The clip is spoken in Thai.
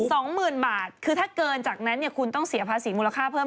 สองหมื่นบาทคือถ้าเกินจากนั้นเนี่ยคุณต้องเสียภาษีมูลค่าเพิ่ม